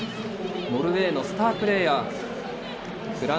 ノルウェーのスタープレーヤー。